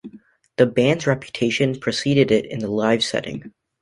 The band's reputation preceded it in the live setting.